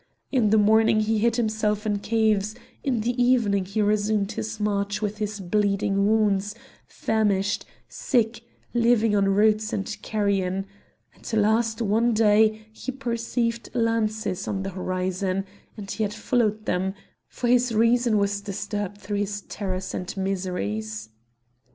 In the morning he hid himself in caves; in the evening he resumed his march with his bleeding wounds, famished, sick, living on roots and carrion; at last one day he perceived lances on the horizon, and he had followed them, for his reason was disturbed through his terrors and miseries.